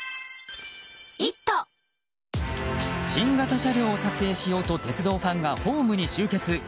新型車両を撮影しようと鉄道ファンがホームに集結。